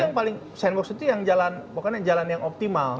yang paling sandbox itu yang jalan pokoknya jalan yang optimal